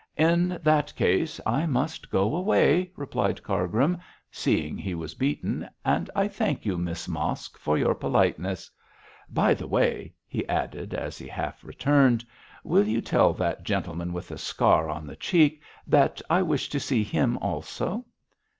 'In that case I must go away,' replied Cargrim, seeing he was beaten, 'and I thank you, Miss Mosk, for your politeness. By the way,' he added, as he half returned, 'will you tell that gentleman with the scar on the cheek that I wish to see him also?'